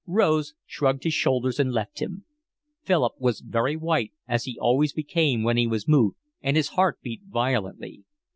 Rose shrugged his shoulders and left him. Philip was very white, as he always became when he was moved, and his heart beat violently.